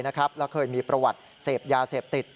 และเคยมีประวัติเสพยาเสพติด